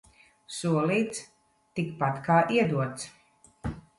Solīts – tikpat kā iedots.